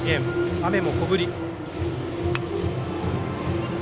雨も小降り。